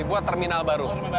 dibuat terminal baru